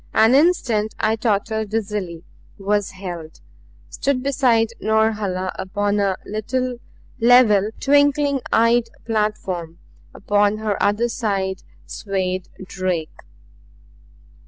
An instant I tottered dizzily; was held; stood beside Norhala upon a little, level twinkling eyed platform; upon her other side swayed Drake.